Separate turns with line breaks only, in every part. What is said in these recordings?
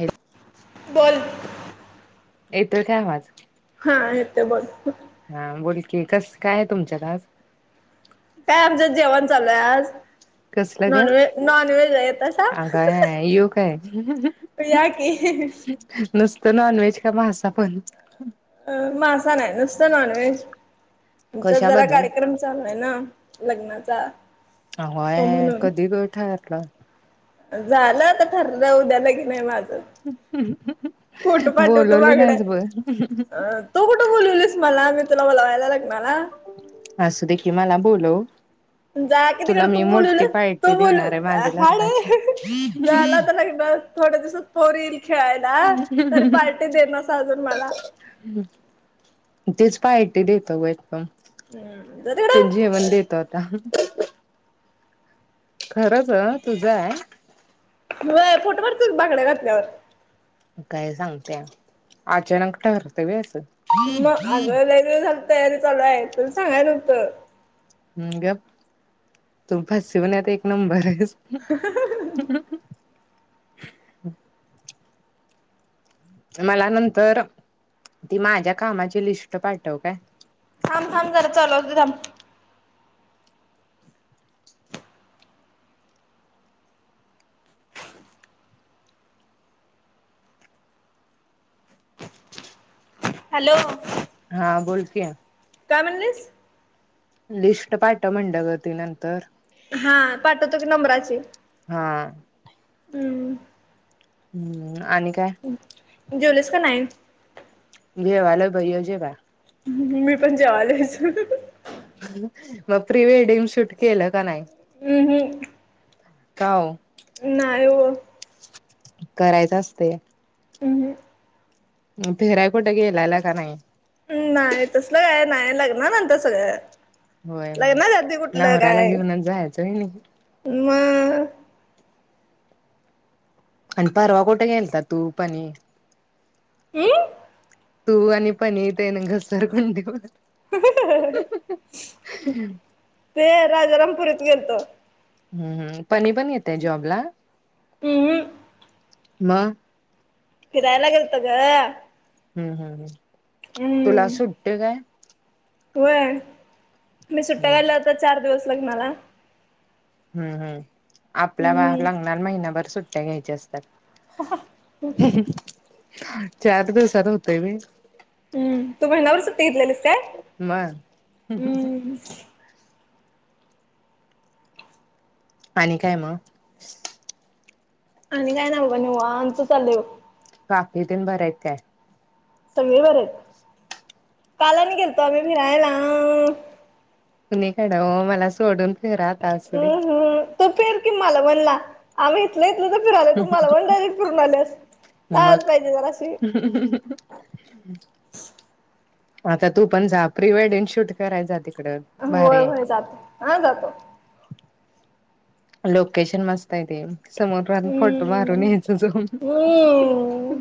Hello,
बोल.
येतोय काय आवाज?
हा येतोय बोल.
हा बोलकी, कस काय आहे तुमच्यात आज?
काय आमच्यात जेवण चालूय आज?
कसलं ग?
नॉनवहेज नॉनवेज हाय येत्यासा
अगं यो काय
या की,
फक्त नॉन व्हेज का मासा पण
अ मासा नाय नुसत नॉनव्हेज, आमच्यात जरा
कशाबद्दल?
कार्यक्रम चालू आहे ना लग्नाचा
आगो आया
सो
य
म्हणून
कधी ग ठरल?
झालं आता ठरलं उद्या लग्न हाय माझं फोटो पाठवतो
बोलवली
मागन,
नाहीस बघ.
अ तू कुठ बोलवलीस मला आग तुला बोलवायला लाग
असु देखी मला बोलव.
जा कि,
तुला
तिकड तू
मी मोठी
बोलिवलस तू
पार्टी देणार आहे
बोलिव
माझ्या लग्नाची.
हाडं झाल आता लग्न तर थोड्या दिवसात पोर येईल खेळायला तर पार्टी देईनास अजून मला
तीच पार्टी देतो बाई एकदम
हम्म जा तिकडं.
राह खरंच अ तुझं हाय.
व्हय फोटो पाठवतो की, बांगड्या घातल्यावर
काय सांगतिया? अचानक ठरतंय व्हय असं.
मग अगं लई झाल तयारी चालू आहे, तु सांगाय नव्हतं
गप तू फसवण्यात एक नंबर आहेस.
हा हा.
हम. मला नंतर ती माझ्या कामाची लिस्ट पाठव काय
थांब थांब जरा चालू असते थांब हॅलो?
हा बोलकी
काय म्हणलीस?
लिस्ट पाठ म्हंटलग नंतर.
हा पाठवतो की नंबराची
हा
हम्म.
हम्म आणि काय?
जेवलीस का नाहीस?
जेवायला ये जेवायला
मी पण जेवायलेयच
मग प्री वेडिंग शूट केलं का नाही?
हम्म हम्म.
का ओ?
नाय ओ
करायचं असतय
हम हम.
फिराय कुठ गेलाला का नाही?
हम नाय तसलं काय नाय लग्ना नंतर सगळं
वय बाय
लग्नाच्या आधी कुठलं
नवऱ्याला घेऊनच जायचं व्हय नय
हम [inaudible]
आणि परवा कुठ गेलाता तू पणी?
हम?
तू आणि पणी तेन घसरगुंडी
ते राजारामपूरीत गेलतो.
हम हम पनी पण येते जॉबला?
हमहम..
मग?
फिरायला गेलतो ग.
हम हम हम तुला
हम्म
सुट्टी काय?
होय मी सुट्ट्या गायल्या, आता चार दिवस लग्नाला.
हम हम आपल्या
हम्म
बर लग्नाला महिनाभर सुट्ट्या घ्यायच्या असतात. चार दिवसात होतय होय?
हम तू महिना भर सुट्ट्या घेतलेलीस काय
मग
हम?
आणि काय मग?
आणि काय नाय बाबा निवांत चालय बघ.
काकी तेन बऱ्या आहेत काय?
सगळी बरी आहेत, काल गेलतो आम्ही फिरायला.
कुणीकड ओ मला सोडून फिरलासा
हम्म
[inaudible]
हम्म तू फिर कि मालवण ला आम्ही इथल्या इथं त तर फिरलोय तु मालवण डायरेक्ट फिरून आल्यास लाज
मग
पाहिजे जराशी.
आता तू पण जा प्री वेडिंग शूट कराय जा तिकडं
होय
भारी
होय
आहे
जातो. हा जातो
लोकेशन मस्त हाय ते समुद्रात फोटो मारून
हम्म
यायच जाऊन.
हम्म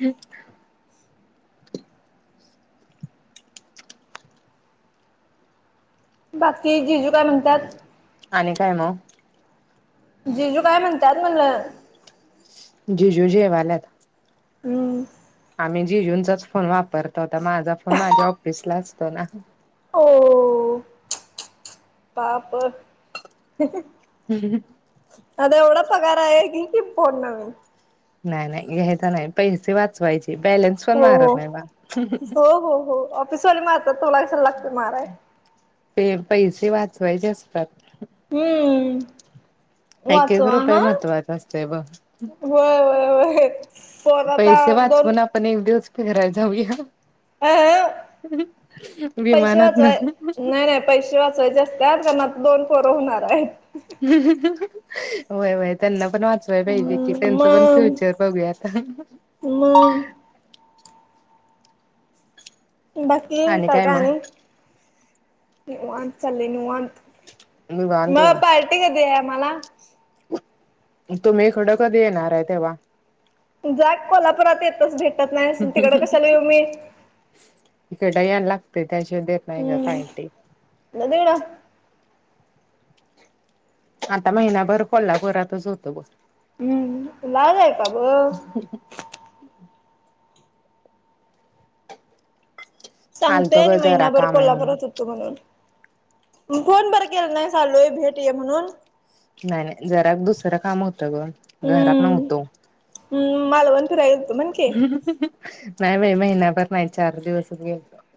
ह [inaudible]
बाकी जिजू काय म्हणतात
आणि काय मग
जीजू काय म्हणतयात म्हणलं
जीजु जेवल्यात
हम
मी जिजूनंचाच फोन वापरतो आता माझा फोन माझ्या ऑफिसला असतो ना
हो. पाप
हम
अता एवढा पगार आहे घे की फोन
नाय नाय घ्यायचा नाही पैसे वाचवायचे बॅलन्स पण
हो
मारत नाही बा
ऑफिसवाली मारतात तुला कशाला लागतय माराय
ते पैसे वाचवायचे असतात
हम्म
एक एक
वाचवा
रुपये
ह.
महत्त्वाचा असतोय बघ.
वय वय वय
पैसे वाचवून आपण एक दिवस फिरायला जाऊया
आह पैसे
विमानात न.
वाचवाय नाही नाही पैसे वाचवायचे असत्यात कारण आता दोन पोर होणार आहेत
वय वय त्यांना ण वाजे की
हम्म
त्यांच पण
मग
फ्युचर बघूया [unintelligible]
मग बाकी
आणि
काय
मग
काणीत चाले निवत [unintelligible]
निवांत
मग
बघ
पार्टी कधी आहे मला
तुम्ही खडं कधी येणार आहे तेव्हा
जा कोल्हापुरात येतच भेटत नाही तिकड कशाला येऊ मी
इकडेड यायला लागते त्याच्या देत नाही ग
हम्म
कायट
जा तिकडं
आता महिनाभर कोल्हापुरातच होतं बर
लाल आहे बा ब
आलतो ग
सांगतोय
जरा
महिनाभर
काम आहे म्हणून.
कोल्हापुरात होतो म्हणून कोण बरं केलं नाही चालूय भेट ये म्हणून
नाही नाही जरा दुसरं काम होतं ग घरात नव्हतो
ह मालवन फय
नाही बाई महिन्याभर नाही चार दिवसच गेलो [unintelligible]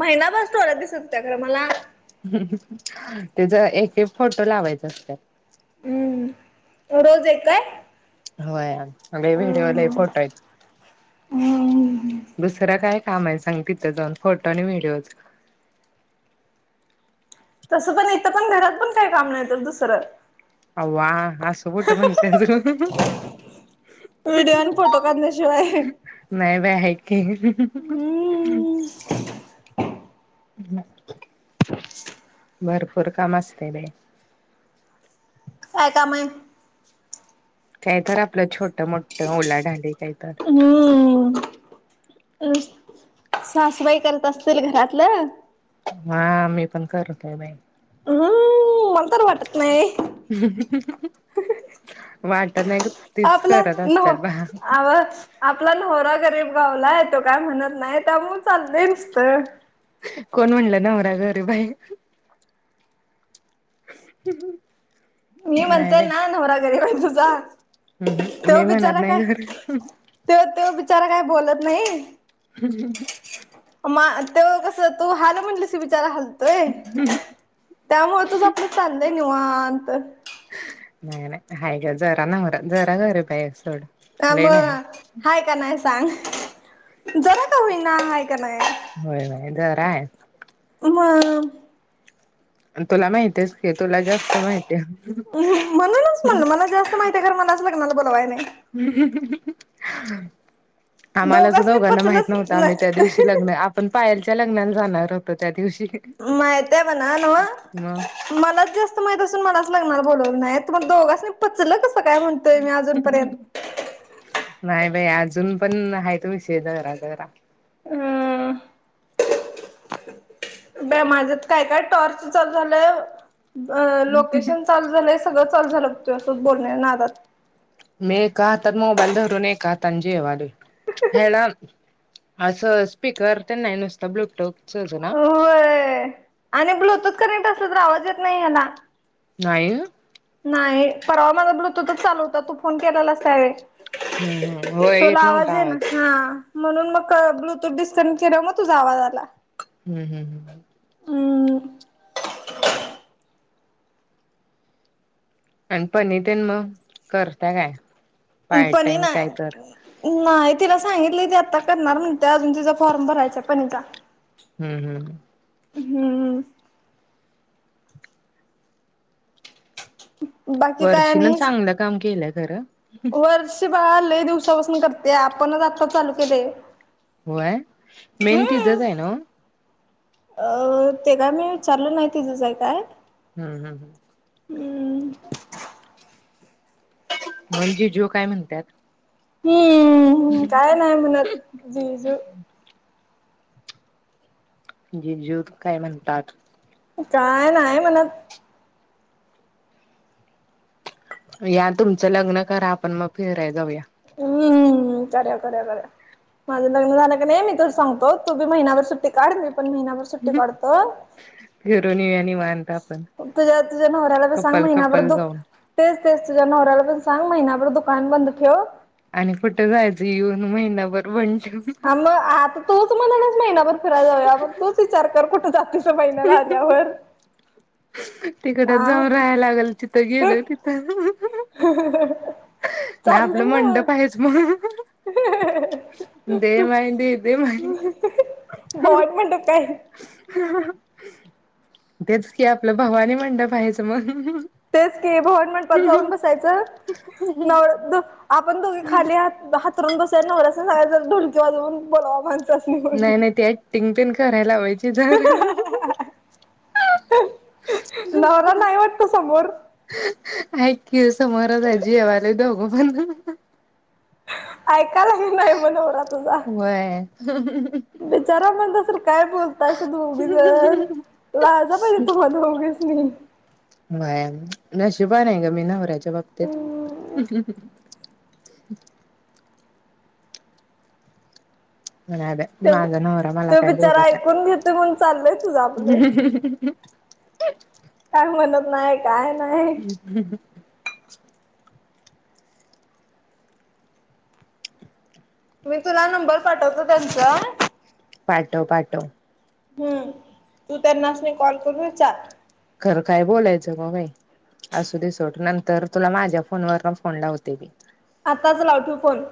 महिनाभास्टोलात दिसत होत त्या खरं मला [unintelligible]
त्याचा एक एक फोटो लावायचा असत
हम्म रोज एक काय
होयग व्हिडिओला
हम्म
फोटो आहे
हम्म
दुसरा काय कामा आहे सांग तिथं जाऊन फोटो आणि व्हिडिओचा
तसं पण इथं पण घरात पण काय काम नाही तर दुसरं
अव वा असं बोट म्हणते त
व्हडिओ आणि फोटो काढ शवाय
नाही बाई आहे की
हम्
भरपूर काम असते तेई
काय काम हे
काहीत आपलं छोट मोठ ओलाढाली काहीत
सासुबाई करत असतील घरातलं
हा मी पण करतो आहे बाई
हम्म मला तर वाटत नाही
वाट [inaudible]
हाव आपला नवरा गरीब गावला येतो काय म्हणत नाही त्यामुळे चाललं नुसतं
कोण म्हणलं नवरा गरीब आहे
मी म्हणते ना नवरा गरीब आहे तुझा
हम्म हम्म
तो
मी म्हणत
बिचारा काय
नाही घरी
त तो बिचारा काय बोलत नाही
हम्म
[unintelligible] तू हाल म्हणलसी विचार हालतोय त्यामुळे तुझ आपलं चाललं निवांत
न ह ग ज्वरा नंगरा ज्रा गरी बाई सोड
ह
लय नाही
मग हाय का नाही सांग जरा का होईना हा का नाही
[inaudible]
म म
तुला माहित आहेच तुला जास्त माहिती आहे
म्हणूनच म्हणलं मला जास्त माहिती आहे [unintelligible]
हम् [unintelligible] आम्हाला ज
दोघांसनी
दोघांना माहित
पचलंच
नव्हं आम्ही त्या दिवशी
नाही
लग्न आपण पायलच्या लग्नाला जाणार होतो त्या दिवशी
माहित आहे बणा ना
मग
मलाच जास्त माहित असून मला [unintelligible]
नाही बाई अजून पण आहे तुम् शे जरा जरा
हम्म ब माझ्यात काय काय टॉर्च चालू झालंय लोकेशन चालू झालंय सगळं ल झालं त असच बोलण्या नाात [unintelligible]
मे का तन म मोबाईल दवर न का तांजी आहेवाल ह [unintelligible] ह स स् स्पीकर त्यांनायनो असत ब्लकटोक. [unintelligible]
होय आणि ब्लूतूथ करनेंक्ट असल, तर आवाज येत नाही ह्याला.
नाहीयत.
नाही परावा माझा ब्लूटूथच चालू होता, तू फोन केलाला असवे.
हम्म हम्म होय
तोला
येत नव्हता
आवाज आहे ना हा. म्हणून मग ब्लूटूथ डिस्टनचीिर मग तुझा आवाजाला.
हम्म हम्म हम्. आणि पनी तेन मग करता काय. पार्ट
पण नाही
टाइम काय तर
नाही. तिला सांगितली ते आता करणार म्हणते, अजून तिचा फॉर्म भरायचा पणचा
हम्म हम्.
हम्म. बाकी
वर्षीन चांगलं काम केलंत.
वर्ष बाळा आलंय दिवसापासून करते, आपणच आता चालू केले.
हो आहे मेहनती
हम्म
जच आहे ना.
अ ते काय मी विचारलो नाहीतीि जचय काय.
हम्म हम्म हम्म.
हम.
म्हणजे जो काय म्हणतात
हम्म काय नाही म्हनात जीजू.
जे जो काय म्हणतात.
काय नाही म्हणत.
या तुमचं लग्न करा, आपण मग फिराय जाऊया.
हम् करया करया कर. माझं लग्न झालं क नाही मी त सांगतो, तूी महिना्यावर सुट्टी काढ म पण महिना्याभर सुट्टी काढतो.
फिरून येऊया निवांत आपण
तुझ्या तुझ्या नवऱ्याला बी सांग
कपल
महिनाभर
कपल
दुख
जाऊन
तेच. ते तुझ्या नवऱ्याला पण सांग, महिना्याभर दुकान बंद ठेव.
आणि कुठं जायचं येऊन महिना्याभर बन ठेवून
आ मग आता तूच महिना्याभर फिराय जाऊया मग तोच विचार कर कुठं जातीचा महिना राल्यावर
तिकड जाऊन राहायला लागेल तिथं गेल तिथं. नाही आपलं
चाललंय
मंड
नव्ह.
पा आहेच म्हण. दे माहि दे दे माहि.
भोवाट मंडप काय
तेच कि आपलं भावानी म्हंडप आहेयचं मग.
तेच की भवन मंणपात जाऊन बसायचं नव आपण दोघे खाली ह हातरून बसायला नव अस सगाय ढोळकी वाजवून बोवाण.
नाही नाही ते ऍक्टिंग पण करायला लावायची जरा
नवरा नाही वाटत समोर.
ऐकी समोरचजी आहे जेवाले दोघ पण.
ऐकायलाही नाही म गौरा तुझा
व्हय
बिचारा म्हण काय बोलतायं दोघी जण ला जा पाहिजे तुम्हा दोघीच नि.
वय नशीबवान आहे ग मी नवऱ्याच्या बाबतीत.
हम्म
[unintelligible] नाय बया
ते
माझा नरा मला
तो
काय
बिचारा
बोलत नाय.
ऐकून घेतोय म्हणून चाललंय तुझं आपलं
[unintelligible]
काय म्हणत नाही. काय नाही
हम्म हम्म ह.
मी तुला नंबर पाठवतो त्यांच
पाठव पाठव.
हम्म तू त्यां नासने कॉल करून विचार.
खर काय बोलायचं मबाई. असू दिस नंतर तुला माझ्या फोनवर फोन लावते मी.
आतात लावतु फोन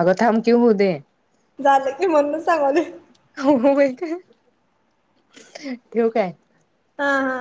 आग थमकीव होऊ दे
झालं की म्हणून सांगालोय
होई का. ठेव काय.
हा हा.